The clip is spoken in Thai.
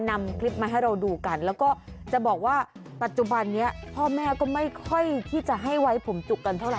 นำคลิปมาให้เราดูกันแล้วก็จะบอกว่าปัจจุบันนี้พ่อแม่ก็ไม่ค่อยที่จะให้ไว้ผมจุกกันเท่าไ